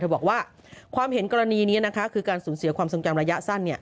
บอกว่าความเห็นกรณีนี้นะคะคือการสูญเสียความทรงจำระยะสั้น